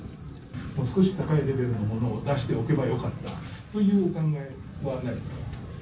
もう少し高いレベルのものを出しておけばよかったというお考